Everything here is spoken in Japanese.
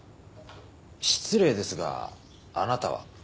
失礼ですがあなたは？